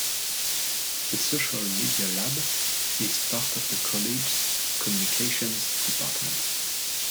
The Social Media Lab, is part of the College's Communications Department.